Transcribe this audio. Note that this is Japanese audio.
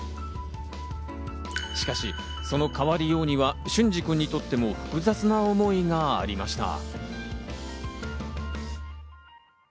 しかし、その変わりようには隼司君にとっても複雑な思いがありました。